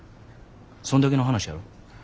そんだけの話やろ。